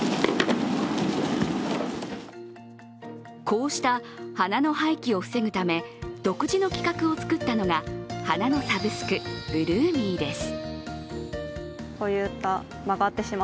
こうした花の廃棄を防ぐため、独自の規格を作ったのが花のサブスク、ブルーミーです。